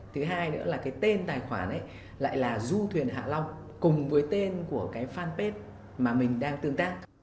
thứ hai nữa là cái tên tài khoản ấy lại là du thuyền hạ long cùng với tên của cái fanpage mà mình đang tương tác